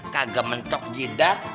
kagak mencok jidat